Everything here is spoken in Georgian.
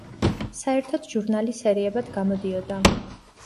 საერთოდ ჟურნალი სერიებად გამოდიოდა.